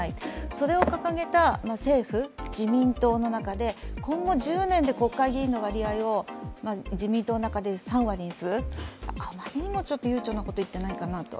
それを掲げた政府・自民党の中で今後１０年で国会議員の割合を自民党の中で３割にする、余りにも悠長なことを言っていないかなと。